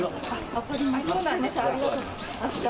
分かりました。